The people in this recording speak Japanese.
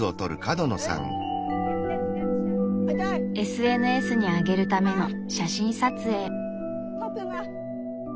ＳＮＳにあげるための写真撮影。